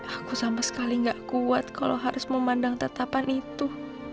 aku sama sekali gak kuat kalau harus memandang tetapan itu